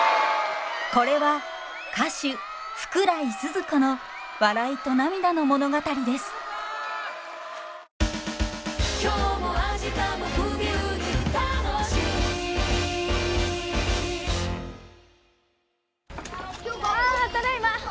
これは歌手福来スズ子の笑いと涙の物語ですあただいま。